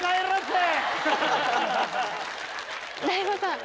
大悟さん